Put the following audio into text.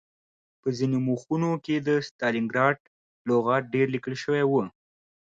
په ځینو مخونو کې د ستالنګراډ لغت ډېر لیکل شوی و